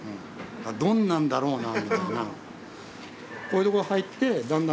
どんなんだろうなみたいな。